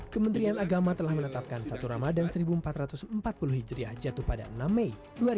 kementerian agama telah menetapkan satu ramadan seribu empat ratus empat puluh hijriah jatuh pada enam mei dua ribu dua puluh